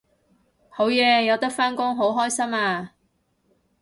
好嘢有得返工好開心啊！